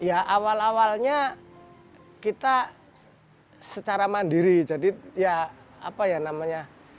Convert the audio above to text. ya awal awalnya kita secara mandiri jadi ya apa ya namanya